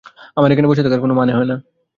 আর এখানে বসে থাকার কোনো মনে হয় না!